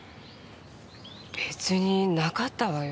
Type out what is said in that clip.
別になかったわよ